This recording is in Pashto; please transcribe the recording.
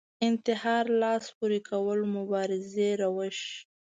انتحار لاس پورې کول مبارزې روش